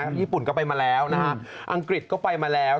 ญี่ปุ่นก็ไปมาแล้วนะฮะอังกฤษก็ไปมาแล้ว